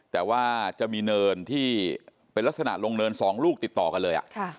แต่ว่าจะมีเนินที่เป็นลักษณะลงเนิน๒ลูกติดต่อกันเลย